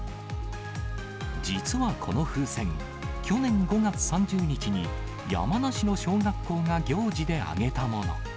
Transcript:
実はこの風船、去年５月３０日に山梨の小学校が行事であげたもの。